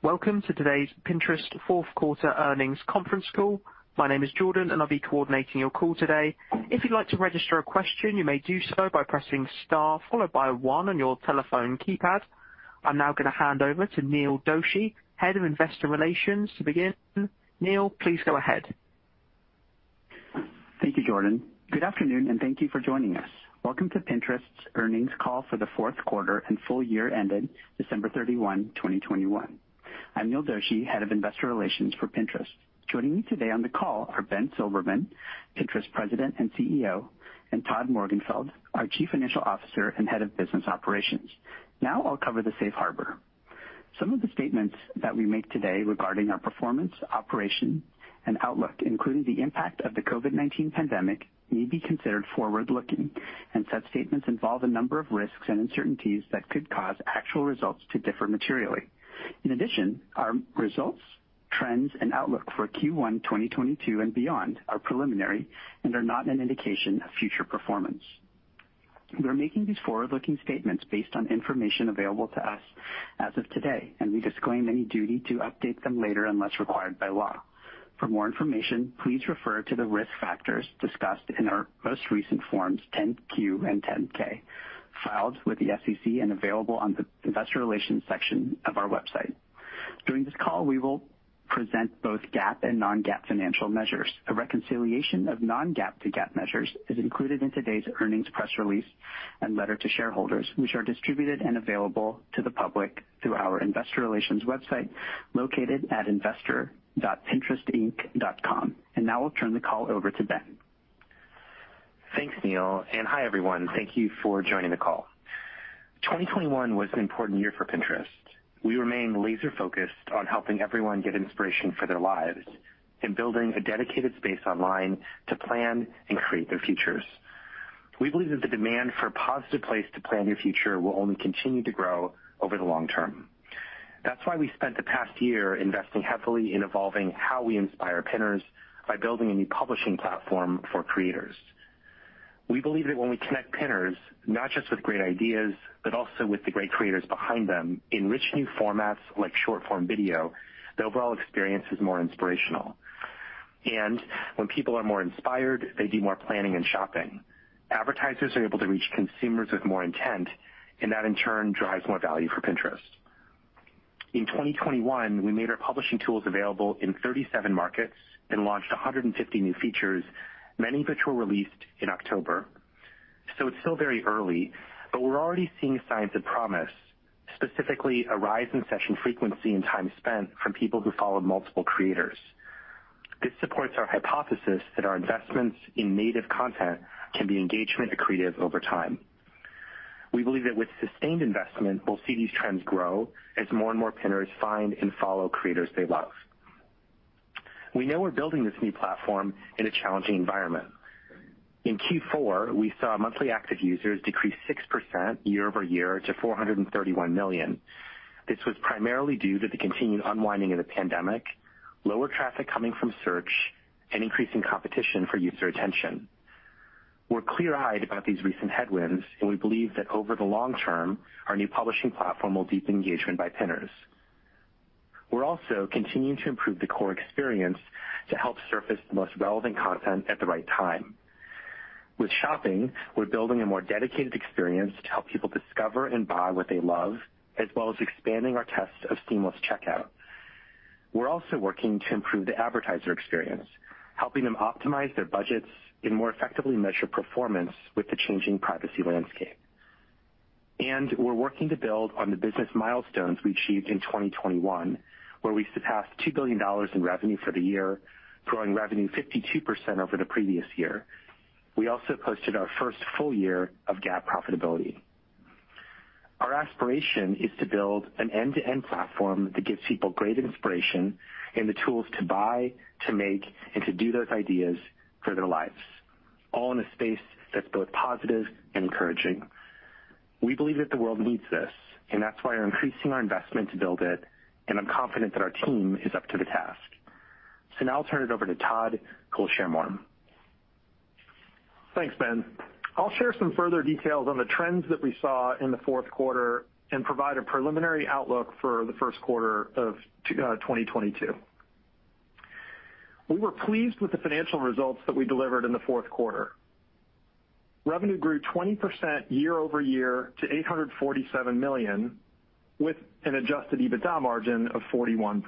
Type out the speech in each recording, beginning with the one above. Welcome to today's Pinterest fourth quarter earnings conference call. My name is Jordan, and I'll be coordinating your call today. If you'd like to register a question, you may do so by pressing star followed by one on your telephone keypad. I'm now gonna hand over to Neil Doshi, Head of Investor Relations to begin. Neil, please go ahead. Thank you, Jordan. Good afternoon, and thank you for joining us. Welcome to Pinterest's earnings call for the fourth quarter and full year ending December 31, 2021. I'm Neil Doshi, Head of Investor Relations for Pinterest. Joining me today on the call are Ben Silbermann, Pinterest President and CEO, and Todd Morgenfeld, our Chief Financial Officer and Head of Business Operations. Now I'll cover the safe harbor. Some of the statements that we make today regarding our performance, operation and outlook, including the impact of the COVID-19 pandemic, may be considered forward-looking, and such statements involve a number of risks and uncertainties that could cause actual results to differ materially. In addition, our results, trends and outlook for Q1 2022 and beyond are preliminary and are not an indication of future performance. We're making these forward-looking statements based on information available to us as of today, and we disclaim any duty to update them later unless required by law. For more information, please refer to the risk factors discussed in our most recent Form 10-Q and Form 10-K filed with the SEC and available on the investor relations section of our website. During this call, we will present both GAAP and non-GAAP financial measures. A reconciliation of non-GAAP to GAAP measures is included in today's earnings press release and letter to shareholders, which are distributed and available to the public through our investor relations website located at investor.pinterest.com. Now I'll turn the call over to Ben. Thanks, Neil, and hi, everyone. Thank you for joining the call. 2021 was an important year for Pinterest. We remain laser-focused on helping everyone get inspiration for their lives and building a dedicated space online to plan and create their futures. We believe that the demand for a positive place to plan your future will only continue to grow over the long term. That's why we spent the past year investing heavily in evolving how we inspire pinners by building a new publishing platform for creators. We believe that when we connect pinners, not just with great ideas, but also with the great creators behind them in rich new formats like short form video, the overall experience is more inspirational. When people are more inspired, they do more planning and shopping. Advertisers are able to reach consumers with more intent, and that in turn drives more value for Pinterest. In 2021, we made our publishing tools available in 37 markets and launched 150 new features, many of which were released in October, so it's still very early, but we're already seeing signs of promise, specifically a rise in session frequency and time spent from people who followed multiple creators. This supports our hypothesis that our investments in native content can be engagement accretive over time. We believe that with sustained investment, we'll see these trends grow as more and more pinners find and follow creators they love. We know we're building this new platform in a challenging environment. In Q4, we saw monthly active users decrease 6% year-over-year to 431 million. This was primarily due to the continued unwinding of the pandemic, lower traffic coming from search and increasing competition for user attention. We're clear-eyed about these recent headwinds, and we believe that over the long term, our new publishing platform will deepen engagement by pinners. We're also continuing to improve the core experience to help surface the most relevant content at the right time. With shopping, we're building a more dedicated experience to help people discover and buy what they love, as well as expanding our tests of seamless checkout. We're also working to improve the advertiser experience, helping them optimize their budgets and more effectively measure performance with the changing privacy landscape. We're working to build on the business milestones we achieved in 2021, where we surpassed $2 billion in revenue for the year, growing revenue 52% over the previous year. We also posted our first full year of GAAP profitability. Our aspiration is to build an end-to-end platform that gives people great inspiration and the tools to buy, to make, and to do those ideas for their lives, all in a space that's both positive and encouraging. We believe that the world needs this, and that's why we're increasing our investment to build it, and I'm confident that our team is up to the task. Now I'll turn it over to Todd, who will share more. Thanks, Ben. I'll share some further details on the trends that we saw in the fourth quarter and provide a preliminary outlook for the first quarter of 2022. We were pleased with the financial results that we delivered in the fourth quarter. Revenue grew 20% year-over-year to $847 million with an adjusted EBITDA margin of 41%.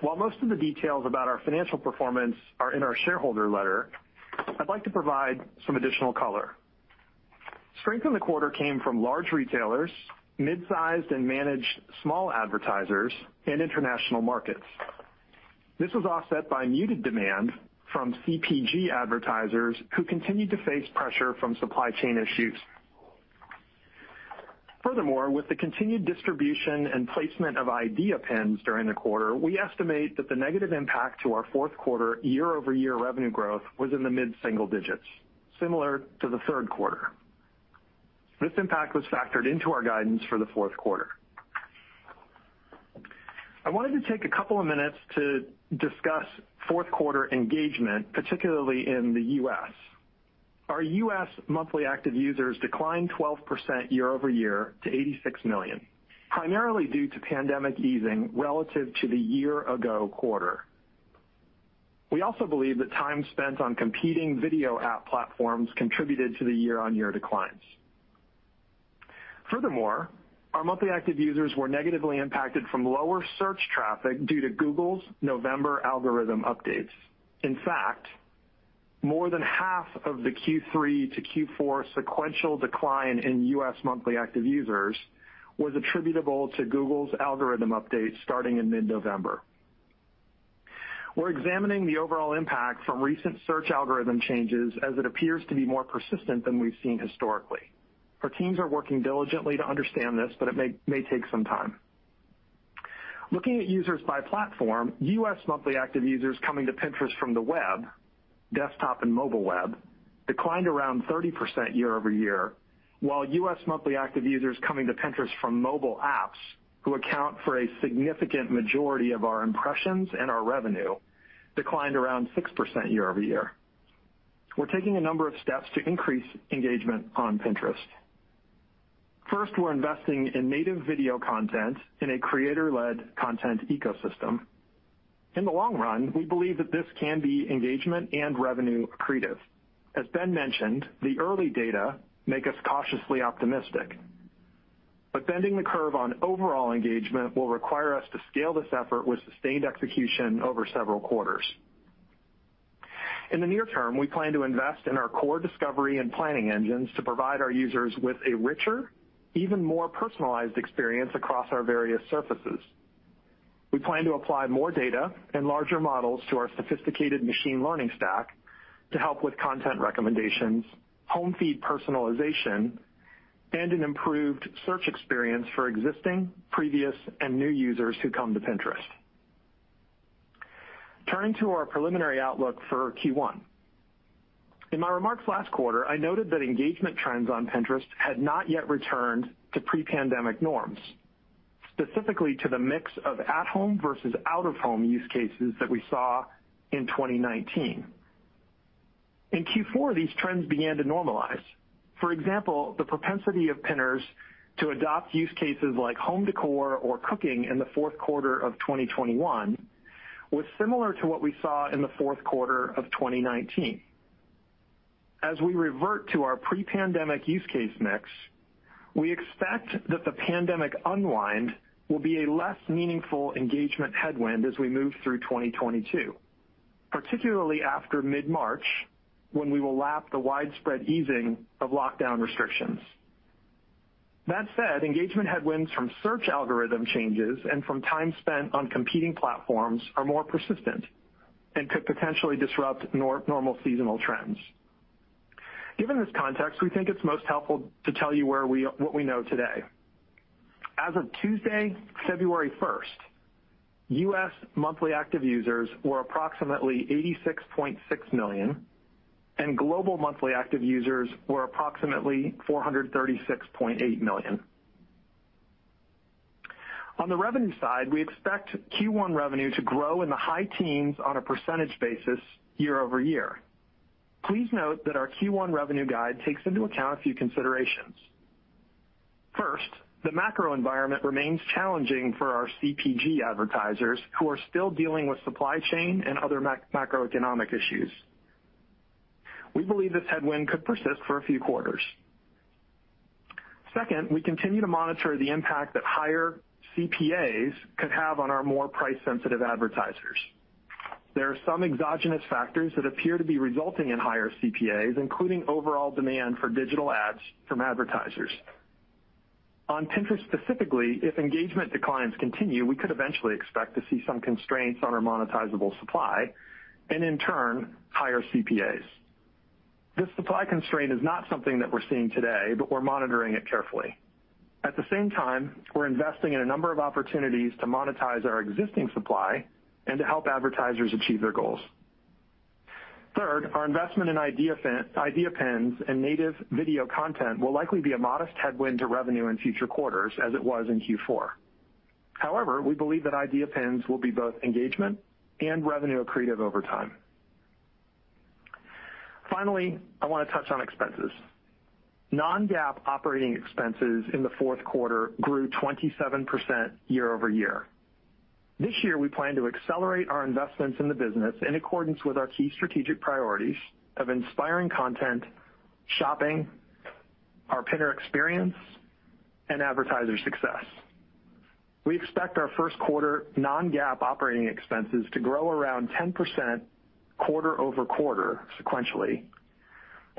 While most of the details about our financial performance are in our shareholder letter, I'd like to provide some additional color. Strength in the quarter came from large retailers, mid-sized and managed small advertisers, and international markets. This was offset by muted demand from CPG advertisers who continued to face pressure from supply chain issues. Furthermore, with the continued distribution and placement of Idea Pins during the quarter, we estimate that the negative impact to our fourth quarter year-over-year revenue growth was in the mid-single digits, similar to the third quarter. This impact was factored into our guidance for the fourth quarter. I wanted to take a couple of minutes to discuss fourth quarter engagement, particularly in the U.S. Our U.S. monthly active users declined 12% year-over-year to 86 million, primarily due to pandemic easing relative to the year ago quarter. We also believe that time spent on competing video app platforms contributed to the year-over-year declines. Furthermore, our monthly active users were negatively impacted from lower search traffic due to Google's November algorithm updates. In fact, more than half of the Q3 to Q4 sequential decline in U.S. monthly active users was attributable to Google's algorithm updates starting in mid-November. We're examining the overall impact from recent search algorithm changes as it appears to be more persistent than we've seen historically. Our teams are working diligently to understand this, but it may take some time. Looking at users by platform, U.S. monthly active users coming to Pinterest from the web, desktop and mobile web, declined around 30% year-over-year, while U.S. monthly active users coming to Pinterest from mobile apps, who account for a significant majority of our impressions and our revenue, declined around 6% year-over-year. We're taking a number of steps to increase engagement on Pinterest. First, we're investing in native video content in a creator-led content ecosystem. In the long run, we believe that this can be engagement and revenue accretive. As Ben mentioned, the early data make us cautiously optimistic. Bending the curve on overall engagement will require us to scale this effort with sustained execution over several quarters. In the near term, we plan to invest in our core discovery and planning engines to provide our users with a richer, even more personalized experience across our various surfaces. We plan to apply more data and larger models to our sophisticated machine learning stack to help with content recommendations, home feed personalization, and an improved search experience for existing, previous, and new users who come to Pinterest. Turning to our preliminary outlook for Q1. In my remarks last quarter, I noted that engagement trends on Pinterest had not yet returned to pre-pandemic norms, specifically to the mix of at home versus out of home use cases that we saw in 2019. In Q4, these trends began to normalize. For example, the propensity of pinners to adopt use cases like home decor or cooking in the fourth quarter of 2021 was similar to what we saw in the fourth quarter of 2019. As we revert to our pre-pandemic use case mix, we expect that the pandemic unwind will be a less meaningful engagement headwind as we move through 2022, particularly after mid-March, when we will lap the widespread easing of lockdown restrictions. That said, engagement headwinds from search algorithm changes and from time spent on competing platforms are more persistent and could potentially disrupt our normal seasonal trends. Given this context, we think it's most helpful to tell you what we know today. As of Tuesday, February 1st, U.S. monthly active users were approximately 86.6 million, and global monthly active users were approximately 436.8 million. On the revenue side, we expect Q1 revenue to grow in the high teens on a percentage basis year-over-year. Please note that our Q1 revenue guide takes into account a few considerations. First, the macro environment remains challenging for our CPG advertisers who are still dealing with supply chain and other macroeconomic issues. We believe this headwind could persist for a few quarters. Second, we continue to monitor the impact that higher CPAs could have on our more price-sensitive advertisers. There are some exogenous factors that appear to be resulting in higher CPAs, including overall demand for digital ads from advertisers. On Pinterest specifically, if engagement declines continue, we could eventually expect to see some constraints on our monetizable supply and in turn, higher CPAs. This supply constraint is not something that we're seeing today, but we're monitoring it carefully. At the same time, we're investing in a number of opportunities to monetize our existing supply and to help advertisers achieve their goals. Third, our investment in Idea Pins and native video content will likely be a modest headwind to revenue in future quarters as it was in Q4. However, we believe that Idea Pins will be both engagement and revenue accretive over time. Finally, I want to touch on expenses. non-GAAP operating expenses in the fourth quarter grew 27% year-over-year. This year, we plan to accelerate our investments in the business in accordance with our key strategic priorities of inspiring content, shopping, our pinner experience, and advertiser success. We expect our first quarter non-GAAP operating expenses to grow around 10% quarter-over-quarter sequentially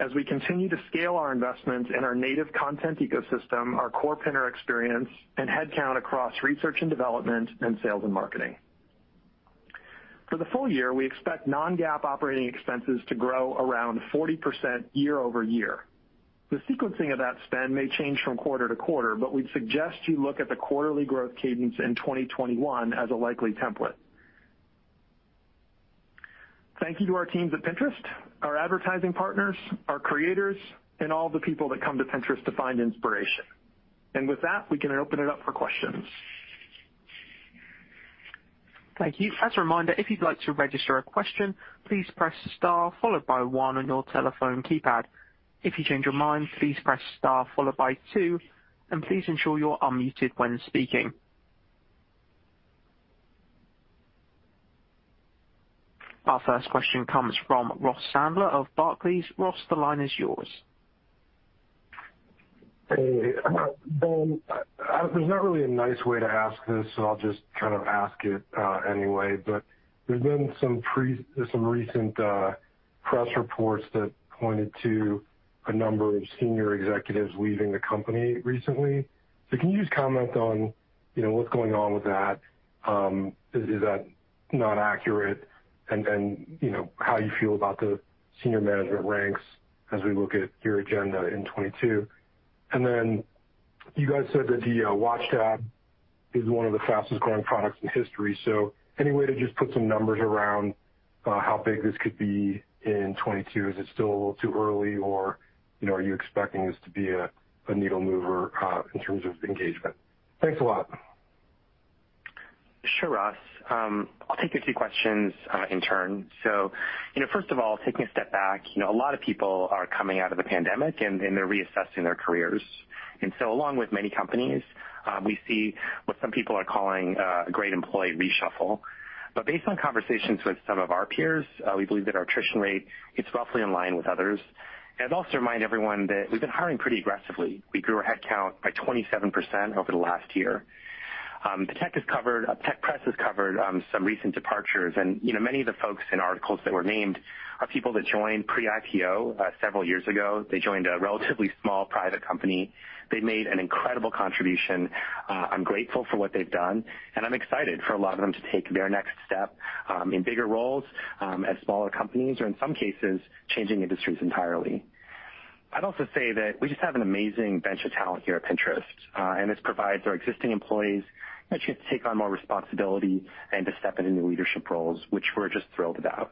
as we continue to scale our investments in our native content ecosystem, our core pinner experience, and headcount across research and development and sales and marketing. For the full year, we expect non-GAAP operating expenses to grow around 40% year-over-year. The sequencing of that spend may change from quarter to quarter, but we'd suggest you look at the quarterly growth cadence in 2021 as a likely template. Thank you to our teams at Pinterest, our advertising partners, our creators, and all the people that come to Pinterest to find inspiration. With that, we can open it up for questions. Thank you. As a reminder, if you'd like to register a question, please press star followed by one on your telephone keypad. If you change your mind, please press star followed by two, and please ensure you're unmuted when speaking. Our first question comes from Ross Sandler of Barclays. Ross, the line is yours. Hey, Ben, there's not really a nice way to ask this, so I'll just kind of ask it anyway. There's been some recent press reports that pointed to a number of senior executives leaving the company recently. Can you just comment on, you know, what's going on with that? Is that not accurate? And you know, how you feel about the senior management ranks as we look at your agenda in 2022. Then you guys said that the Watch tab is one of the fastest-growing products in history. Any way to just put some numbers around how big this could be in 2022? Is it still a little too early or, you know, are you expecting this to be a needle mover in terms of engagement? Thanks a lot. Sure, Ross. I'll take your two questions in turn. You know, first of all, taking a step back, you know, a lot of people are coming out of the pandemic and they're reassessing their careers. Along with many companies, we see what some people are calling a great employee reshuffle. Based on conversations with some of our peers, we believe that our attrition rate is roughly in line with others. I'd also remind everyone that we've been hiring pretty aggressively. We grew our headcount by 27% over the last year. Tech press has covered some recent departures. You know, many of the folks in articles that were named are people that joined pre-IPO several years ago. They joined a relatively small private company. They made an incredible contribution. I'm grateful for what they've done, and I'm excited for a lot of them to take their next step in bigger roles at smaller companies or in some cases, changing industries entirely. I'd also say that we just have an amazing bench of talent here at Pinterest, and this provides our existing employees a chance to take on more responsibility and to step into new leadership roles, which we're just thrilled about.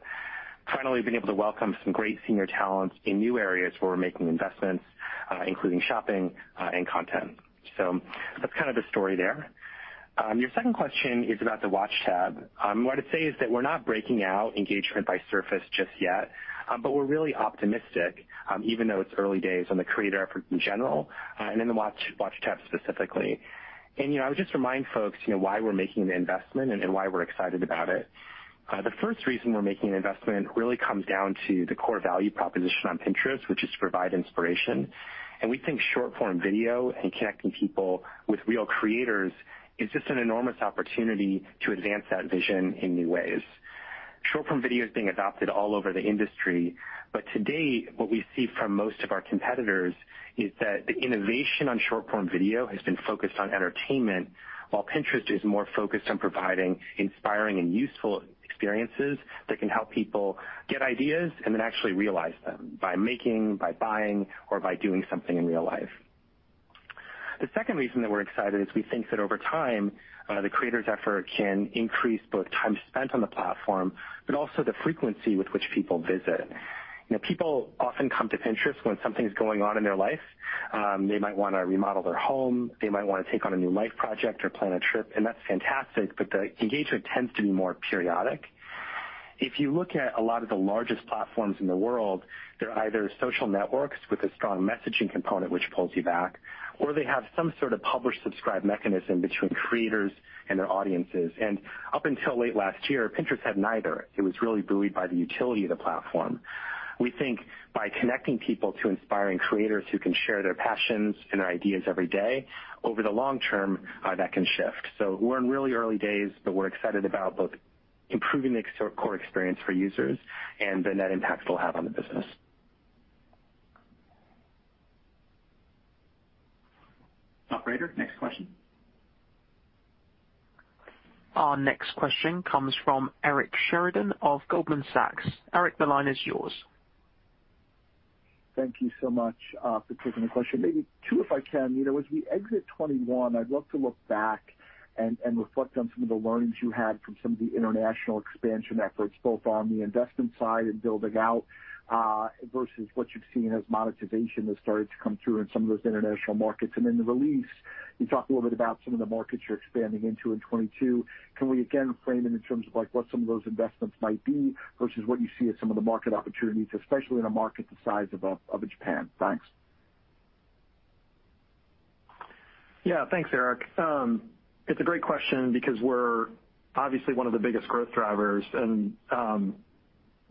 Finally, we've been able to welcome some great senior talents in new areas where we're making investments, including shopping and content. That's kind of the story there. Your second question is about the Watch tab. What I'd say is that we're not breaking out engagement by surface just yet, but we're really optimistic, even though it's early days on the creator effort in general, and in the Watch tab specifically. You know, I would just remind folks, you know, why we're making the investment and why we're excited about it. The first reason we're making an investment really comes down to the core value proposition on Pinterest, which is to provide inspiration. We think short-form video and connecting people with real creators is just an enormous opportunity to advance that vision in new ways. Short-form video is being adopted all over the industry, but to date, what we see from most of our competitors is that the innovation on short-form video has been focused on entertainment, while Pinterest is more focused on providing inspiring and useful experiences that can help people get ideas and then actually realize them by making, by buying or by doing something in real life. The second reason that we're excited is we think that over time, the creator's effort can increase both time spent on the platform, but also the frequency with which people visit. You know, people often come to Pinterest when something's going on in their life. They might wanna remodel their home, they might wanna take on a new life project or plan a trip, and that's fantastic, but the engagement tends to be more periodic. If you look at a lot of the largest platforms in the world, they're either social networks with a strong messaging component which pulls you back, or they have some sort of publish-subscribe mechanism between creators and their audiences. Up until late last year, Pinterest had neither. It was really buoyed by the utility of the platform. We think by connecting people to inspiring creators who can share their passions and their ideas every day, over the long term, that can shift. We're in really early days, but we're excited about both improving the core experience for users and the net impacts it'll have on the business. Operator, next question. Our next question comes from Eric Sheridan of Goldman Sachs. Eric, the line is yours. Thank you so much for taking the question. Maybe two, if I can. You know, as we exit 2021, I'd love to look back and reflect on some of the learnings you had from some of the international expansion efforts, both on the investment side and building out versus what you've seen as monetization has started to come through in some of those international markets. In the release, you talked a little bit about some of the markets you're expanding into in 2022. Can we again frame it in terms of, like, what some of those investments might be versus what you see as some of the market opportunities, especially in a market the size of Japan? Thanks. Yeah. Thanks, Eric. It's a great question because we're obviously one of the biggest growth drivers and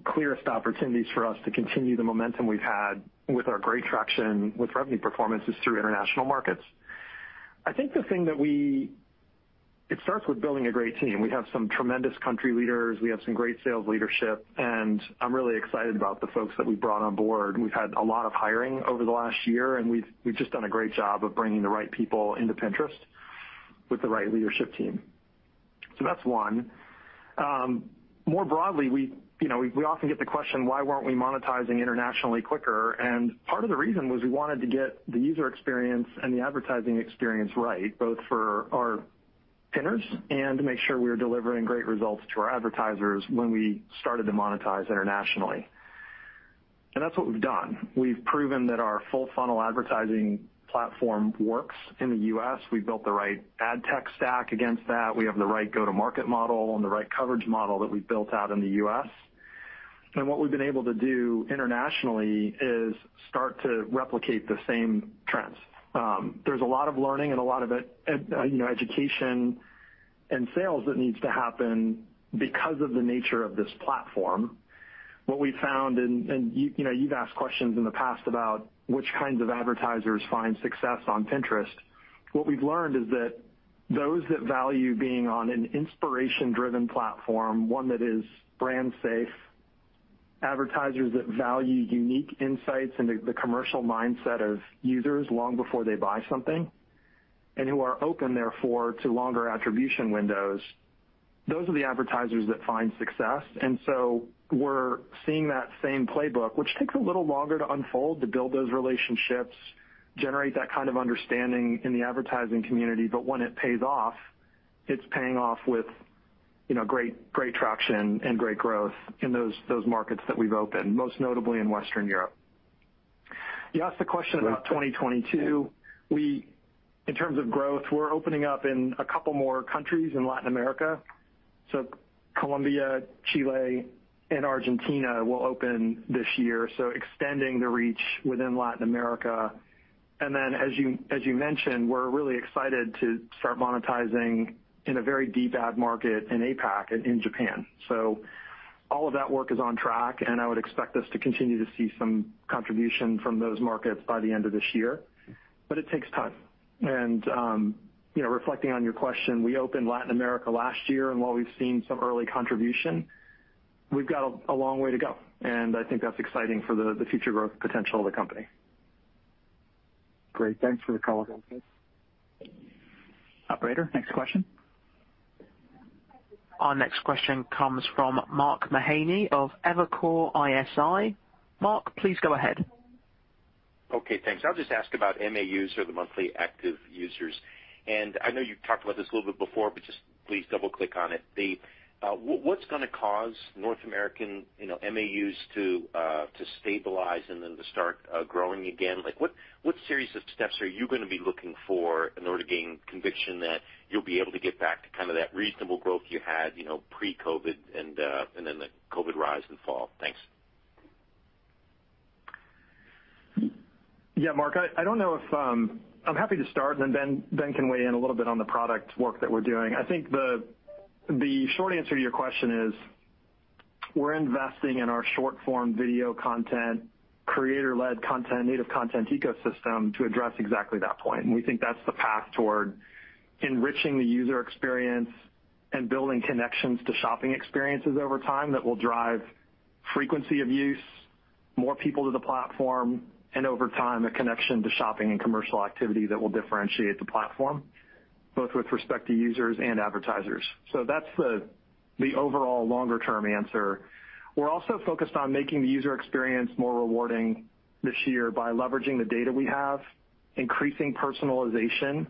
clearest opportunities for us to continue the momentum we've had with our great traction with revenue performance is through international markets. I think. It starts with building a great team. We have some tremendous country leaders. We have some great sales leadership, and I'm really excited about the folks that we've brought on board. We've had a lot of hiring over the last year, and we've just done a great job of bringing the right people into Pinterest with the right leadership team. So that's one. More broadly, we, you know, we often get the question, why weren't we monetizing internationally quicker? Part of the reason was we wanted to get the user experience and the advertising experience right, both for our Pinners and to make sure we are delivering great results to our advertisers when we started to monetize internationally. That's what we've done. We've proven that our full funnel advertising platform works in the U.S. We've built the right ad tech stack against that. We have the right go-to-market model and the right coverage model that we've built out in the U.S. What we've been able to do internationally is start to replicate the same trends. There's a lot of learning and a lot of it, you know, education and sales that needs to happen because of the nature of this platform. What we found and you know, you've asked questions in the past about which kinds of advertisers find success on Pinterest. What we've learned is that those that value being on an inspiration-driven platform, one that is brand safe, advertisers that value unique insights into the commercial mindset of users long before they buy something, and who are open, therefore, to longer attribution windows, those are the advertisers that find success. We're seeing that same playbook, which takes a little longer to unfold, to build those relationships, generate that kind of understanding in the advertising community, but when it pays off, it's paying off with, you know, great traction and great growth in those markets that we've opened, most notably in Western Europe. You asked the question about 2022. In terms of growth, we're opening up in a couple more countries in Latin America. Colombia, Chile, and Argentina will open this year, so extending the reach within Latin America. As you mentioned, we're really excited to start monetizing in a very deep ad market in APAC and in Japan. All of that work is on track, and I would expect us to continue to see some contribution from those markets by the end of this year. It takes time. You know, reflecting on your question, we opened Latin America last year, and while we've seen some early contribution, we've got a long way to go, and I think that's exciting for the future growth potential of the company. Great. Thanks for the color, Ben. Operator, next question. Our next question comes from Mark Mahaney of Evercore ISI. Mark, please go ahead. Okay, thanks. I'll just ask about MAUs or the monthly active users. I know you've talked about this a little bit before, but just please double-click on it. What's gonna cause North American, you know, MAUs to stabilize and then to start growing again? Like, what series of steps are you gonna be looking for in order to gain conviction that you'll be able to get back to kind of that reasonable growth you had, you know, pre-COVID and then the COVID rise and fall? Thanks. Yeah, Mark, I don't know if I'm happy to start, and then Ben can weigh in a little bit on the product work that we're doing. I think the short answer to your question is we're investing in our short-form video content, creator-led content, native content ecosystem to address exactly that point. We think that's the path toward enriching the user experience and building connections to shopping experiences over time that will drive frequency of use, more people to the platform, and over time, a connection to shopping and commercial activity that will differentiate the platform, both with respect to users and advertisers. That's the overall longer-term answer. We're also focused on making the user experience more rewarding this year by leveraging the data we have, increasing personalization,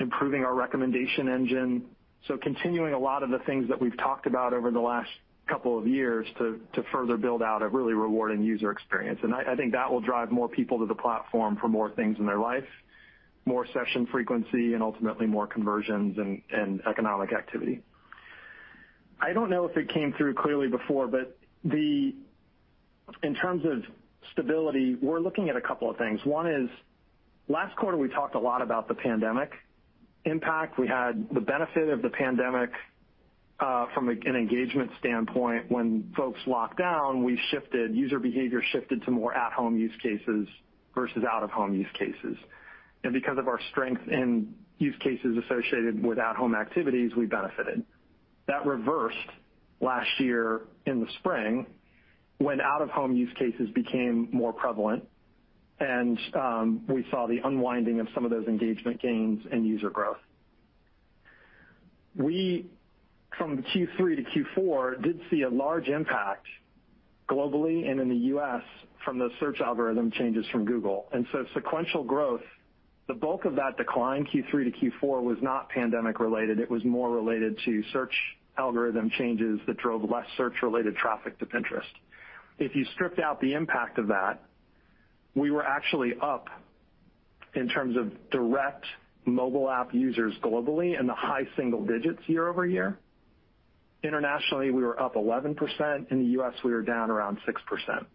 improving our recommendation engine, so continuing a lot of the things that we've talked about over the last couple of years to further build out a really rewarding user experience. I think that will drive more people to the platform for more things in their life, more session frequency, and ultimately more conversions and economic activity. I don't know if it came through clearly before, but in terms of stability, we're looking at a couple of things. One is last quarter, we talked a lot about the pandemic impact. We had the benefit of the pandemic from an engagement standpoint. When folks locked down, user behavior shifted to more at-home use cases versus out-of-home use cases. Because of our strength in use cases associated with at-home activities, we benefited. That reversed last year in the spring when out-of-home use cases became more prevalent and we saw the unwinding of some of those engagement gains and user growth. We from Q3 to Q4 did see a large impact globally and in the U.S. from the search algorithm changes from Google. Sequential growth, the bulk of that decline, Q3 to Q4, was not pandemic-related. It was more related to search algorithm changes that drove less search-related traffic to Pinterest. If you stripped out the impact of that, we were actually up in terms of direct mobile app users globally in the high single digits year-over-year. Internationally, we were up 11%. In the U.S., we were down around 6%.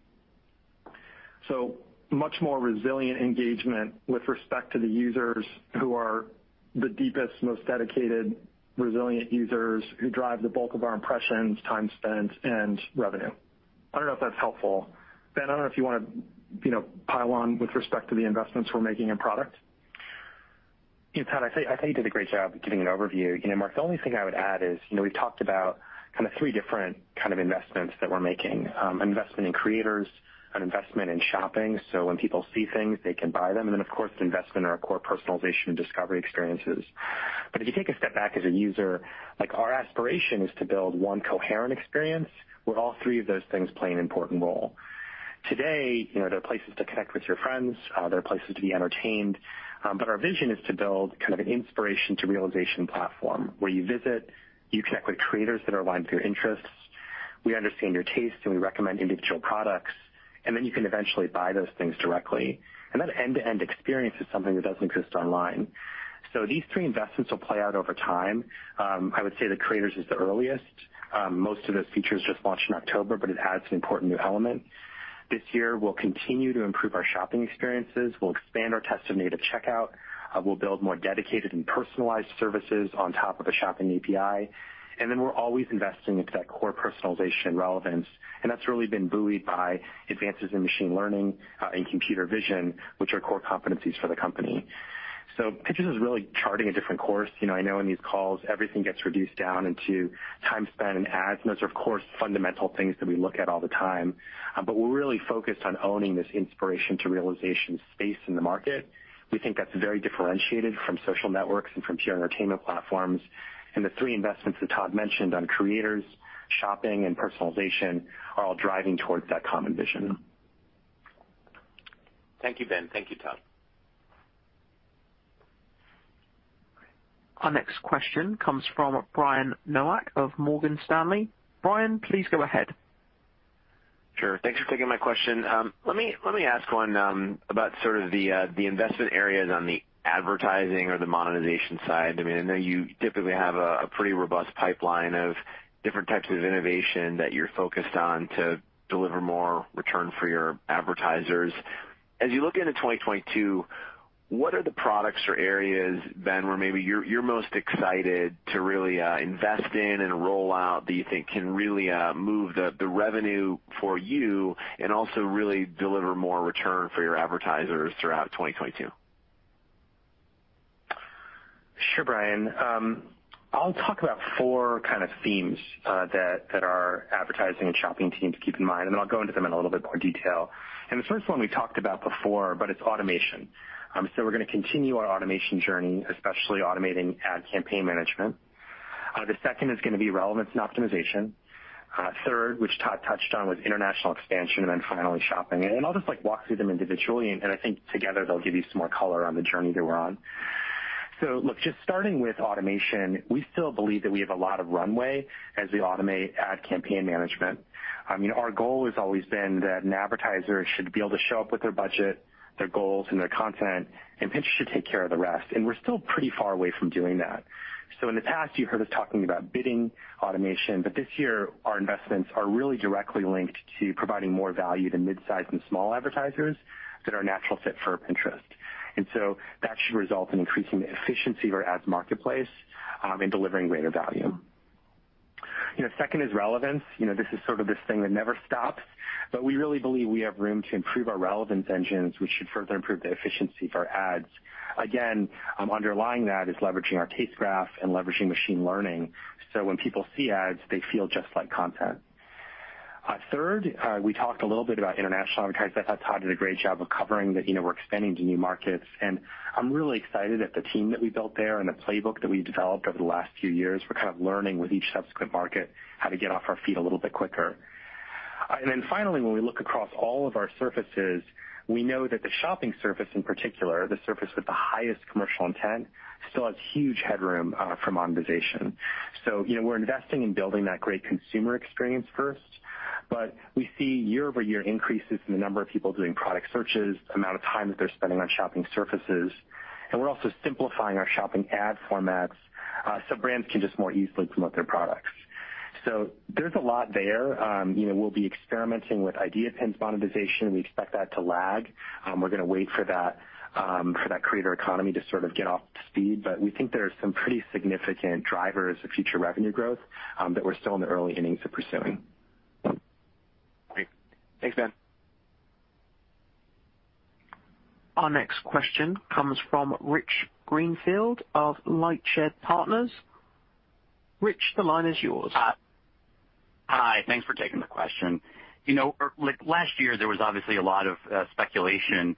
Much more resilient engagement with respect to the users who are the deepest, most dedicated, resilient users who drive the bulk of our impressions, time spent, and revenue. I don't know if that's helpful. Ben, I don't know if you wanna, you know, pile on with respect to the investments we're making in product. Yeah, Pat, I think you did a great job giving an overview. You know, Mark, the only thing I would add is, you know, we've talked about kind of three different kind of investments that we're making, investment in creators, an investment in shopping, so when people see things, they can buy them, and then, of course, investment in our core personalization and discovery experiences. If you take a step back as a user, like, our aspiration is to build one coherent experience where all three of those things play an important role. Today, you know, there are places to connect with your friends, there are places to be entertained, but our vision is to build kind of an inspiration to realization platform where you visit, you connect with creators that are aligned with your interests, we understand your taste, and we recommend individual products, and then you can eventually buy those things directly. That end-to-end experience is something that doesn't exist online. These three investments will play out over time. I would say the creators is the earliest. Most of those features just launched in October, but it adds an important new element. This year, we'll continue to improve our shopping experiences. We'll expand our test of native checkout. We'll build more dedicated and personalized services on top of a shopping API. Then we're always investing into that core personalization relevance, and that's really been buoyed by advances in machine learning, and computer vision, which are core competencies for the company. Pinterest is really charting a different course. You know, I know in these calls, everything gets reduced down into time spent and ads, and those are, of course, fundamental things that we look at all the time. But we're really focused on owning this inspiration to realization space in the market. We think that's very differentiated from social networks and from pure entertainment platforms. The three investments that Todd mentioned on creators, shopping, and personalization are all driving towards that common vision. Thank you, Ben. Thank you, Todd. Our next question comes from Brian Nowak of Morgan Stanley. Brian, please go ahead. Sure. Thanks for taking my question. Let me ask one about the investment areas on the advertising or the monetization side. I mean, I know you typically have a pretty robust pipeline of different types of innovation that you're focused on to deliver more return for your advertisers. As you look into 2022, what are the products or areas, Ben, where maybe you're most excited to really invest in and roll out that you think can really move the revenue for you and also really deliver more return for your advertisers throughout 2022? Sure, Brian. I'll talk about four kind of themes that our advertising and shopping teams keep in mind, and then I'll go into them in a little bit more detail. The first one we talked about before, but it's automation. We're gonna continue our automation journey, especially automating ad campaign management. The second is gonna be relevance and optimization. Third, which Todd touched on, was international expansion, and then finally shopping. I'll just, like, walk through them individually, and I think together they'll give you some more color on the journey that we're on. Look, just starting with automation, we still believe that we have a lot of runway as we automate ad campaign management. I mean, our goal has always been that an advertiser should be able to show up with their budget, their goals, and their content, and Pinterest should take care of the rest, and we're still pretty far away from doing that. In the past, you heard us talking about bidding automation, but this year our investments are really directly linked to providing more value to mid-size and small advertisers that are a natural fit for Pinterest. That should result in increasing the efficiency of our ads marketplace, and delivering greater value. You know, second is relevance. You know, this is sort of this thing that never stops, but we really believe we have room to improve our relevance engines, which should further improve the efficiency of our ads. Again, underlying that is leveraging our Taste Graph and leveraging machine learning, so when people see ads, they feel just like content. Third, we talked a little bit about international advertisers. I thought Todd did a great job of covering that, you know, we're expanding to new markets, and I'm really excited that the team that we built there and the playbook that we developed over the last few years. We're kind of learning with each subsequent market how to get on our feet a little bit quicker. Finally, when we look across all of our surfaces, we know that the shopping surface in particular, the surface with the highest commercial intent, still has huge headroom for monetization. You know, we're investing in building that great consumer experience first, but we see year-over-year increases in the number of people doing product searches, amount of time that they're spending on shopping surfaces, and we're also simplifying our shopping ad formats, so brands can just more easily promote their products. There's a lot there. You know, we'll be experimenting with Idea Pins monetization. We expect that to lag. We're gonna wait for that creator economy to sort of get up to speed, but we think there are some pretty significant drivers of future revenue growth that we're still in the early innings of pursuing. Great. Thanks, Ben. Our next question comes from Rich Greenfield of LightShed Partners. Rich, the line is yours. Hi. Thanks for taking the question. You know, like, last year there was obviously a lot of speculation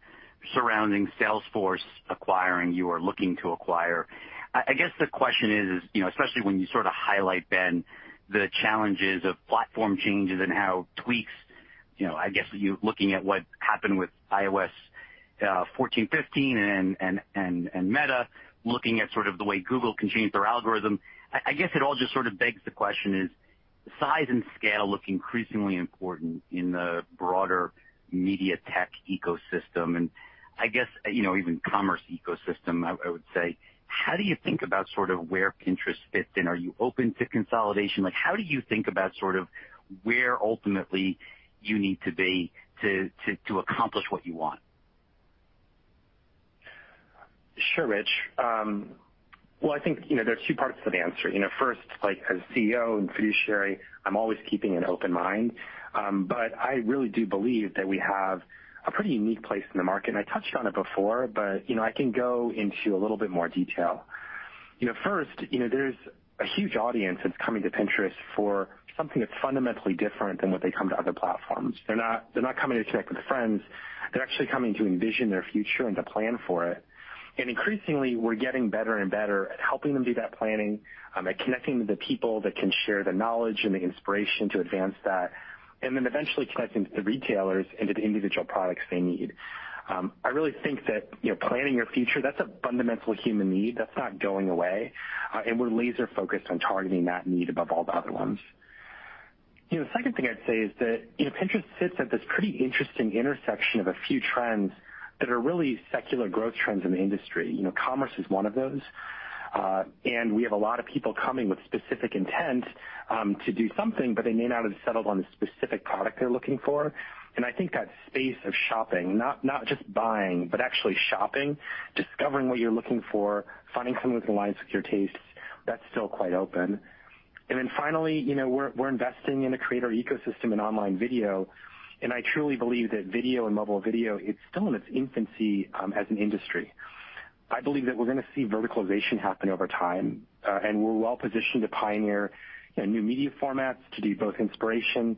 surrounding Salesforce acquiring you or looking to acquire. I guess the question is, you know, especially when you sort of highlight, Ben, the challenges of platform changes and how tweaks, you know, I guess you looking at what happened with iOS 14, 15 and Meta, looking at sort of the way Google can change their algorithm. I guess it all just sort of begs the question is, size and scale look increasingly important in the broader media tech ecosystem, and I guess, you know, even commerce ecosystem I would say. How do you think about sort of where Pinterest fits in? Are you open to consolidation? Like, how do you think about sort of where ultimately you need to be to accomplish what you want? Sure, Rich. Well, I think, you know, there are two parts to the answer. You know, first, like, as CEO and fiduciary, I'm always keeping an open mind. But I really do believe that we have a pretty unique place in the market. I touched on it before, but, you know, I can go into a little bit more detail. You know, first, you know, there's a huge audience that's coming to Pinterest for something that's fundamentally different than when they come to other platforms. They're not coming to connect with friends They're actually coming to envision their future and to plan for it. Increasingly, we're getting better and better at helping them do that planning, by connecting with the people that can share the knowledge and the inspiration to advance that, and then eventually connecting to the retailers and to the individual products they need. I really think that, you know, planning your future, that's a fundamental human need that's not going away, and we're laser-focused on targeting that need above all the other ones. You know, the second thing I'd say is that, you know, Pinterest sits at this pretty interesting intersection of a few trends that are really secular growth trends in the industry. You know, commerce is one of those. We have a lot of people coming with specific intent to do something, but they may not have settled on the specific product they're looking for. I think that space of shopping, not just buying, but actually shopping, discovering what you're looking for, finding something that aligns with your tastes, that's still quite open. Finally, you know, we're investing in the creator ecosystem and online video, and I truly believe that video and mobile video is still in its infancy as an industry. I believe that we're gonna see verticalization happen over time, and we're well-positioned to pioneer new media formats to be both inspiration,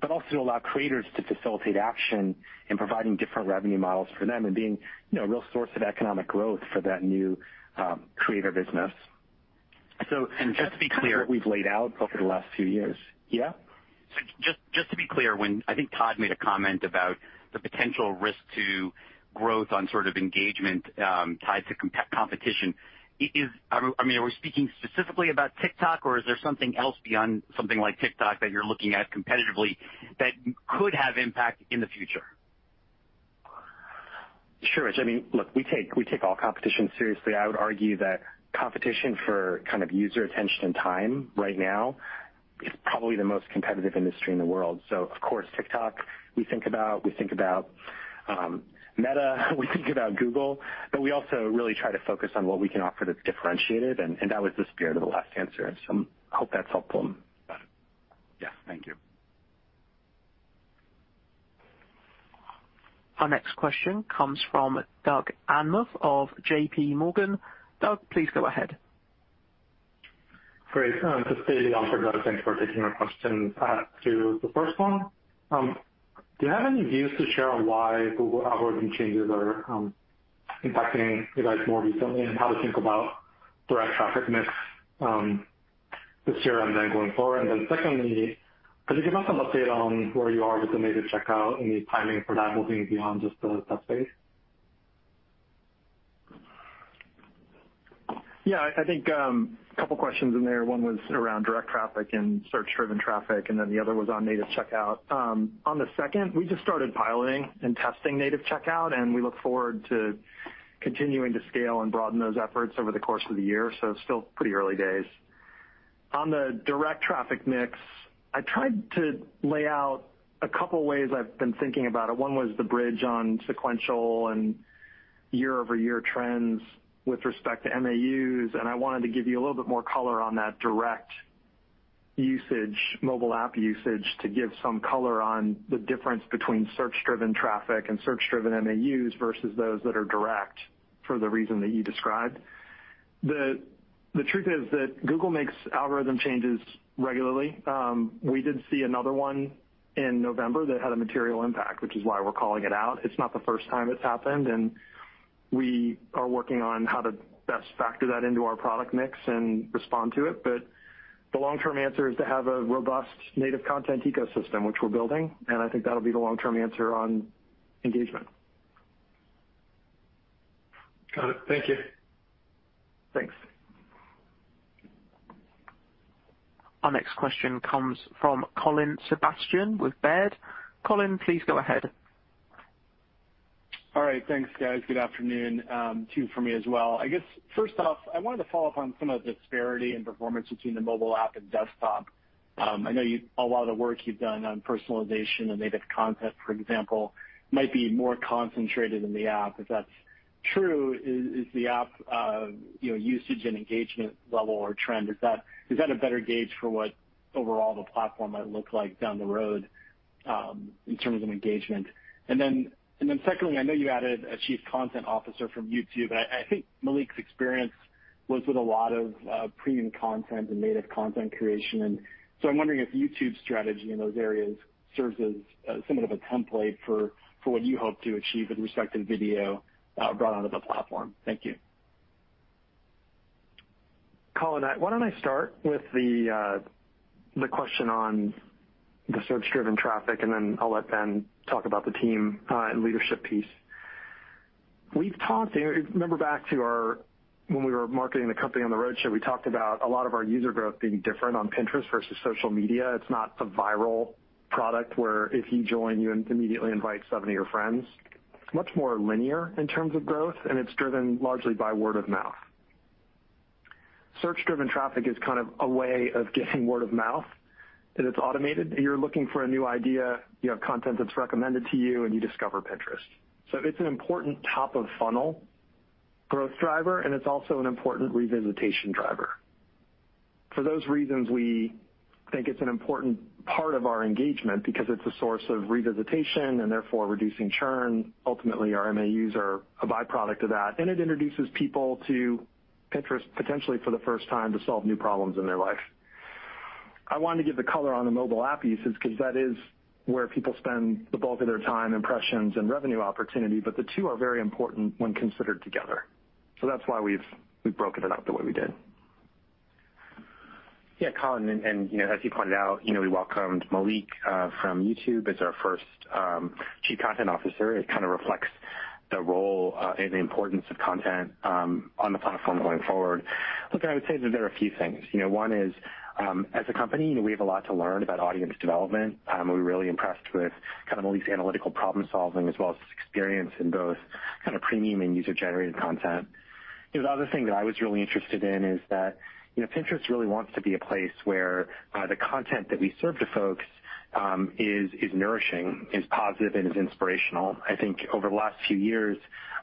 but also allow creators to facilitate action in providing different revenue models for them and being, you know, a real source of economic growth for that new creator business. Just to be clear. That's kind of what we've laid out over the last few years. Yeah? Just to be clear, when I think Todd made a comment about the potential risk to growth on sort of engagement, tied to competition, I mean, are we speaking specifically about TikTok, or is there something else beyond something like TikTok that you're looking at competitively that could have impact in the future? Sure, Rich. I mean, look, we take all competition seriously. I would argue that competition for kind of user attention and time right now is probably the most competitive industry in the world. Of course, TikTok, we think about. We think about Meta, we think about Google, but we also really try to focus on what we can offer that's differentiated, and that was the spirit of the last answer. I hope that's helpful. Got it. Yeah. Thank you. Our next question comes from Doug Anmuth of J.P. Morgan. Doug, please go ahead. Great. To both of you, thanks for taking our question. To the first one, do you have any views to share on why Google algorithm changes are impacting you guys more recently and how to think about direct traffic mix, this year and then going forward? Secondly, could you give us some update on where you are with the native checkout and the timing for that moving beyond just the test phase? Yeah, I think, a couple questions in there. One was around direct traffic and search-driven traffic, and then the other was on native checkout. On the second, we just started piloting and testing native checkout, and we look forward to continuing to scale and broaden those efforts over the course of the year, so it's still pretty early days. On the direct traffic mix, I tried to lay out a couple ways I've been thinking about it. One was the bridge on sequential and year-over-year trends with respect to MAUs, and I wanted to give you a little bit more color on that direct usage, mobile app usage, to give some color on the difference between search-driven traffic and search-driven MAUs versus those that are direct for the reason that you described. The truth is that Google makes algorithm changes regularly. We did see another one in November that had a material impact, which is why we're calling it out. It's not the first time it's happened, and we are working on how to best factor that into our product mix and respond to it. The long-term answer is to have a robust native content ecosystem, which we're building, and I think that'll be the long-term answer on engagement. Got it. Thank you. Thanks. Our next question comes from Colin Sebastian from Baird. Colin, please go ahead. All right. Thanks, guys. Good afternoon, two for me as well. I guess, first off, I wanted to follow up on some of the disparity in performance between the mobile app and desktop. I know a lot of the work you've done on personalization and native content, for example, might be more concentrated in the app. If that's true, is the app, you know, usage and engagement level or trend, is that a better gauge for what overall the platform might look like down the road, in terms of engagement? And then secondly, I know you added a Chief Content Officer from YouTube. I think Malik's experience was with a lot of premium content and native content creation. I'm wondering if YouTube's strategy in those areas serves as somewhat of a template for what you hope to achieve with respect to video brought onto the platform. Thank you. Colin, why don't I start with the question on the search-driven traffic, and then I'll let Ben talk about the team, and leadership piece. We've talked, you know, when we were marketing the company on the roadshow, we talked about a lot of our user growth being different on Pinterest versus social media. It's not a viral product where if you join, you immediately invite seven of your friends. It's much more linear in terms of growth, and it's driven largely by word of mouth. Search-driven traffic is kind of a way of getting word of mouth, and it's automated. You're looking for a new idea, you have content that's recommended to you, and you discover Pinterest. It's an important top-of-funnel growth driver, and it's also an important revisitation driver. For those reasons, we think it's an important part of our engagement because it's a source of revisitation and therefore reducing churn. Ultimately, our MAUs are a byproduct of that, and it introduces people to Pinterest potentially for the first time to solve new problems in their life. I wanted to give the color on the mobile app usage because that is where people spend the bulk of their time, impressions, and revenue opportunity, but the two are very important when considered together. That's why we've broken it up the way we did. Yeah, Colin, and you know, as you pointed out, you know, we welcomed Malik from YouTube as our first Chief Content Officer. It kind of reflects the role and the importance of content on the platform going forward. Look, I would say that there are a few things. You know, one is, as a company, you know, we have a lot to learn about audience development, and we're really impressed with kind of Malik's analytical problem-solving as well as his experience in both kind of premium and user-generated content. You know, the other thing that I was really interested in is that, you know, Pinterest really wants to be a place where the content that we serve to folks is nourishing, is positive, and is inspirational. I think over the last few years,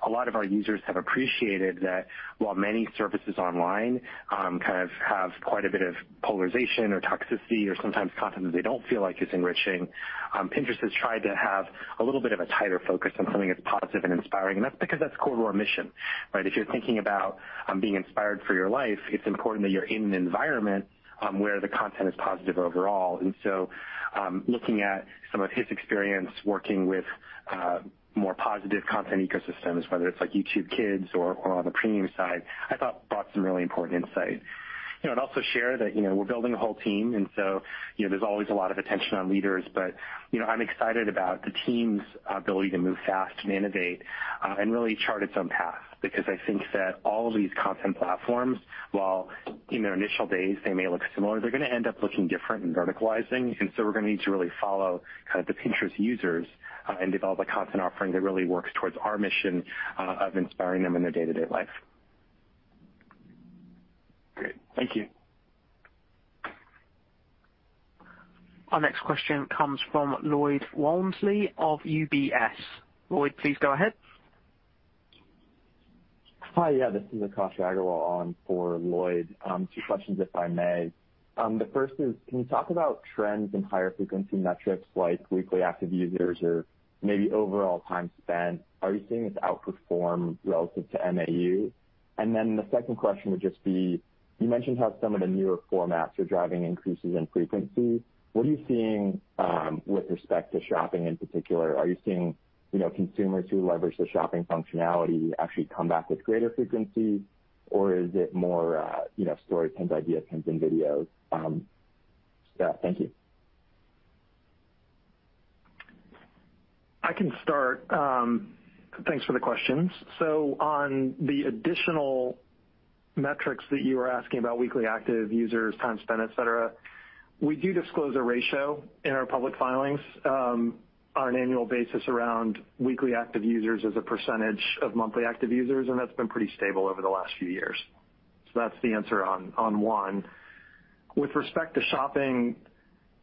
a lot of our users have appreciated that while many services online kind of have quite a bit of polarization or toxicity or sometimes content that they don't feel like is enriching, Pinterest has tried to have a little bit of a tighter focus on something that's positive and inspiring, and that's because that's core to our mission, right? If you're thinking about being inspired for your life, it's important that you're in an environment where the content is positive overall. Looking at some of his experience working with more positive content ecosystems, whether it's like YouTube Kids or on the premium side, I thought brought some really important insight. You know, I'd also share that, you know, we're building a whole team, and so, you know, there's always a lot of attention on leaders. But, you know, I'm excited about the team's ability to move fast and innovate, and really chart its own path because I think that all of these content platforms, while in their initial days they may look similar, they're gonna end up looking different and verticalizing. We're gonna need to really follow kind of the Pinterest users, and develop a content offering that really works towards our mission, of inspiring them in their day-to-day life. Great. Thank you. Our next question comes from Lloyd Walmsley of UBS. Lloyd, please go ahead. Hi. Yeah, this is Akash Agarwal on for Lloyd. Two questions, if I may. The first is, can you talk about trends in higher frequency metrics like weekly active users or maybe overall time spent? Are you seeing this outperform relative to MAU? The second question would just be, you mentioned how some of the newer formats are driving increases in frequency. What are you seeing with respect to shopping in particular? Are you seeing, you know, consumers who leverage the shopping functionality actually come back with greater frequency? Or is it more, you know, story pins, Idea Pins, and videos? Yeah. Thank you. I can start. Thanks for the questions. On the additional metrics that you were asking about weekly active users, time spent, et cetera, we do disclose a ratio in our public filings on an annual basis around weekly active users as a percentage of monthly active users, and that's been pretty stable over the last few years. That's the answer on one. With respect to shopping,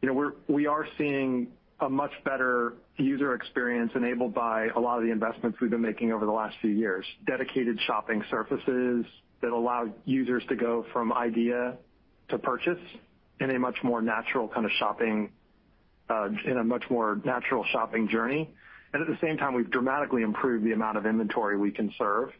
you know, we are seeing a much better user experience enabled by a lot of the investments we've been making over the last few years, dedicated shopping surfaces that allow users to go from idea to purchase in a much more natural kind of shopping in a much more natural shopping journey. At the same time, we've dramatically improved the amount of inventory we can serve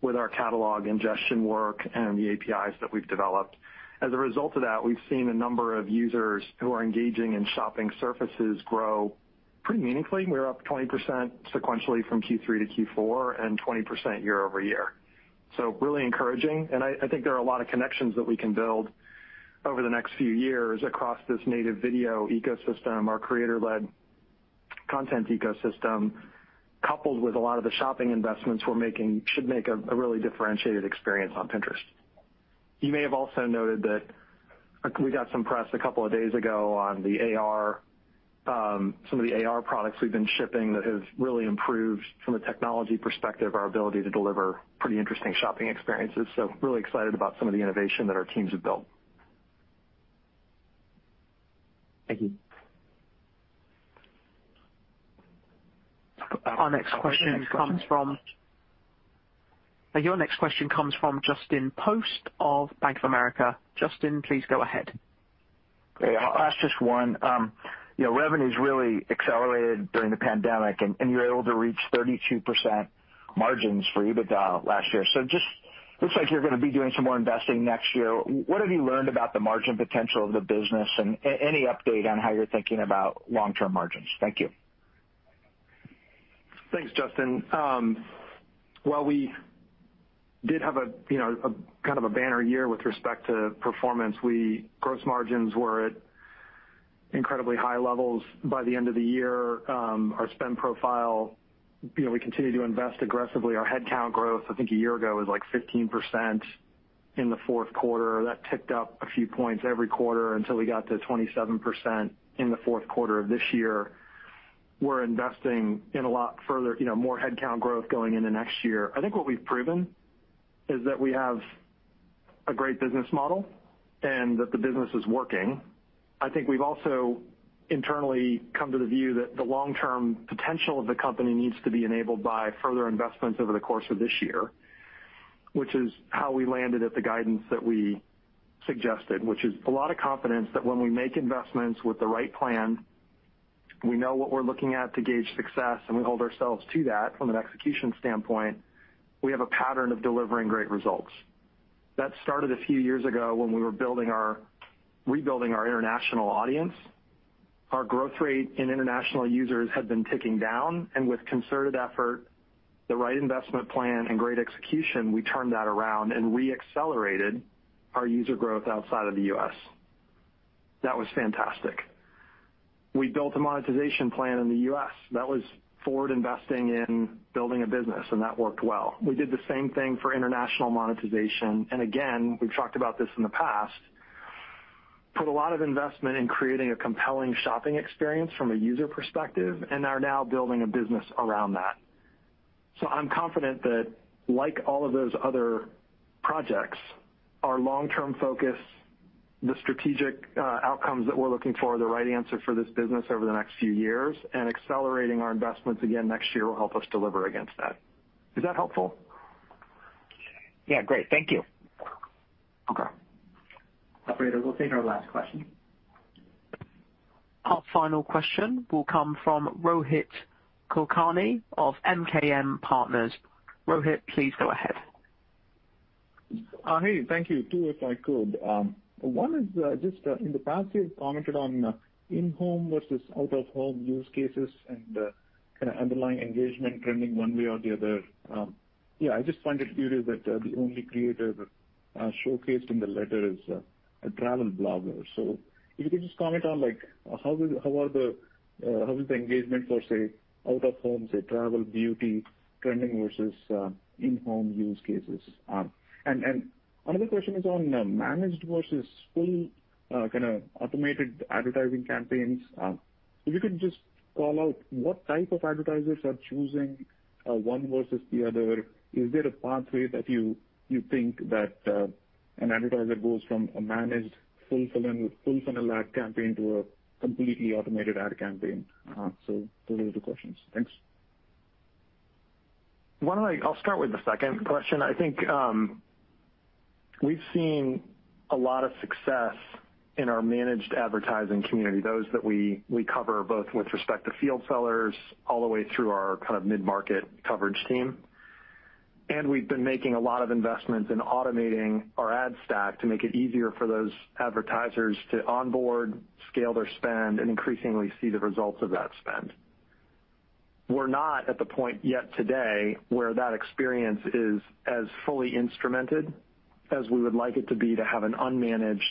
with our catalog ingestion work and the APIs that we've developed. As a result of that, we've seen a number of users who are engaging in shopping surfaces grow pretty meaningfully. We're up 20% sequentially from Q3 to Q4 and 20% year-over-year. Really encouraging, and I think there are a lot of connections that we can build over the next few years across this native video ecosystem, our creator-led content ecosystem, coupled with a lot of the shopping investments we're making should make a really differentiated experience on Pinterest. You may have also noted that we got some press a couple of days ago on the AR, some of the AR products we've been shipping that have really improved from a technology perspective, our ability to deliver pretty interesting shopping experiences. Really excited about some of the innovation that our teams have built. Thank you. Your next question comes from Justin Post of Bank of America. Justin, please go ahead. Great. I'll ask just one. You know, revenue's really accelerated during the pandemic and you're able to reach 32% margins for EBITDA last year. Just looks like you're gonna be doing some more investing next year. What have you learned about the margin potential of the business and any update on how you're thinking about long-term margins? Thank you. Thanks, Justin. While we did have a, you know, a kind of a banner year with respect to performance, gross margins were at incredibly high levels by the end of the year. Our spend profile, you know, we continue to invest aggressively. Our headcount growth, I think a year ago, was like 15% in the fourth quarter. That ticked up a few points every quarter until we got to 27% in the fourth quarter of this year. We're investing a lot further, you know, more headcount growth going into next year. I think what we've proven is that we have a great business model and that the business is working. I think we've also internally come to the view that the long-term potential of the company needs to be enabled by further investments over the course of this year, which is how we landed at the guidance that we suggested, which is a lot of confidence that when we make investments with the right plan. We know what we're looking at to gauge success, and we hold ourselves to that from an execution standpoint. We have a pattern of delivering great results. That started a few years ago when we were rebuilding our international audience. Our growth rate in international users had been ticking down, and with concerted effort, the right investment plan and great execution, we turned that around and re-accelerated our user growth outside of the U.S. That was fantastic. We built a monetization plan in the U.S. that was forward investing in building a business, and that worked well. We did the same thing for international monetization, and again, we've talked about this in the past, put a lot of investment in creating a compelling shopping experience from a user perspective and are now building a business around that. I'm confident that like all of those other projects, our long-term focus, the strategic, outcomes that we're looking for are the right answer for this business over the next few years, and accelerating our investments again next year will help us deliver against that. Is that helpful? Yeah. Great. Thank you. Okay. Operator, we'll take our last question. Our final question will come from Rohit Kulkarni of MKM Partners. Rohit, please go ahead. Hey, thank you. Two, if I could. One is just in the past, you've commented on in-home versus out-of-home use cases and kinda underlying engagement trending one way or the other. Yeah, I just find it curious that the only creator that showcased in the letter is a travel blogger. So if you could just comment on, like, how is the engagement for, say, out-of-home, say, travel, beauty trending versus in-home use cases? And another question is on managed versus full kinda automated advertising campaigns. If you could just call out what type of advertisers are choosing one versus the other. Is there a pathway that you think that an advertiser goes from a managed full funnel ad campaign to a completely automated ad campaign? So those are the questions. Thanks. I'll start with the second question. I think, we've seen a lot of success in our managed advertising community, those that we cover both with respect to field sellers all the way through our kind of mid-market coverage team. We've been making a lot of investments in automating our ad stack to make it easier for those advertisers to onboard, scale their spend, and increasingly see the results of that spend. We're not at the point yet today where that experience is as fully instrumented as we would like it to be to have an unmanaged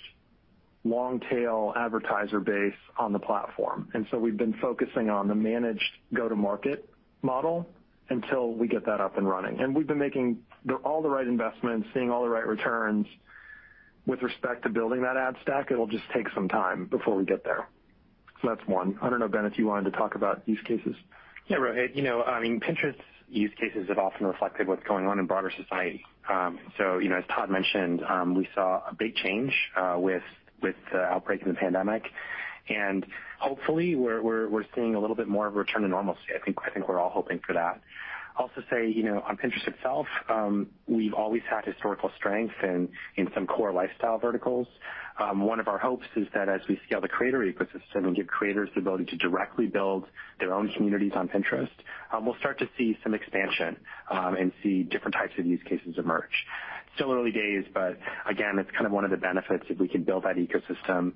long-tail advertiser base on the platform. We've been focusing on the managed go-to-market model until we get that up and running. We've been making all the right investments, seeing all the right returns with respect to building that ad stack. It'll just take some time before we get there. That's one. I don't know, Ben, if you wanted to talk about use cases. Yeah. Rohit, you know, I mean, Pinterest's use cases have often reflected what's going on in broader society. So, you know, as Todd mentioned, we saw a big change with the outbreak of the pandemic, and hopefully we're seeing a little bit more of a return to normalcy. I think we're all hoping for that. I'll also say, you know, on Pinterest itself, we've always had historical strength in some core lifestyle verticals. One of our hopes is that as we scale the creator ecosystem and give creators the ability to directly build their own communities on Pinterest, we'll start to see some expansion and see different types of use cases emerge. Still early days, but again, it's kind of one of the benefits if we can build that ecosystem.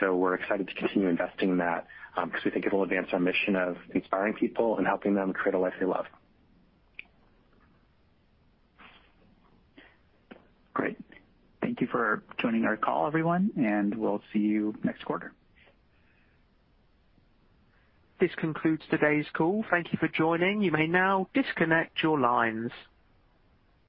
We're excited to continue investing in that, because we think it'll advance our mission of inspiring people and helping them create a life they love. Great. Thank you for joining our call, everyone, and we'll see you next quarter. This concludes today's call. Thank you for joining. You may now disconnect your lines.